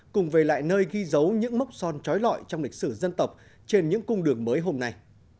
cùng về lại nơi ghi dấu những mốc son trói lọi trong lịch sử dân tộc trên những cung đường mới hôm nay